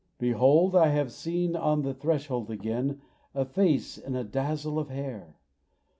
Behold I have seen on the threshold again A face in a dazzle of hair!